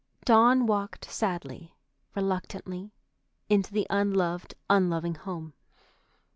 Dawn walked sadly, reluctantly, into the unloved, unloving home.